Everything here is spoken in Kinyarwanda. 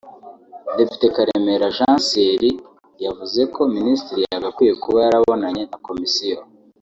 Depite Karemera Jean Thierry yavuze ko minisitiri yagakwiye kuba yarabonanye na komisiyo